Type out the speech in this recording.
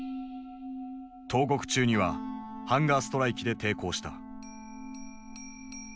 投獄中にはハンガーストライキで抵抗した。